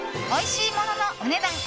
おいしいもののお値段